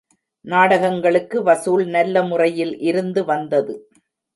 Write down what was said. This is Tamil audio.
நாடகங்களுக்கு வசூல் நல்ல முறையில் இருந்து வந்தது.